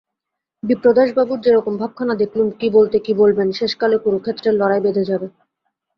বিপ্রদাসবাবুর যেরকম ভাবখানা দেখলুম কী বলতে কী বলবেন, শেষকালে কুরুক্ষেত্রের লড়াই বেধে যাবে।